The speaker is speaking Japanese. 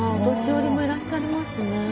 お年寄りもいらっしゃりますね。